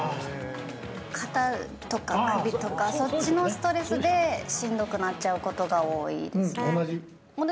肩とか首とか、そっちのストレスでしんどくなっちゃうことが多いうん、同じ。